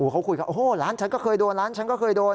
เขาคุยกับโอ้โหร้านฉันก็เคยโดนร้านฉันก็เคยโดน